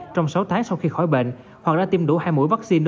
trong sáu tháng sau khi khỏi bệnh hoặc đã tiêm đủ hai mũi vaccine